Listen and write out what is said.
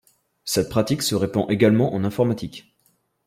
Cette pratique se répand également en informatique.